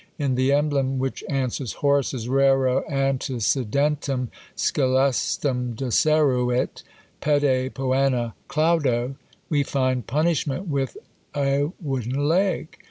In the emblem which answers Horace's "Raro antecedentem scelestum deseruit PEDE POENA CLAUDO," we find Punishment with a wooden leg.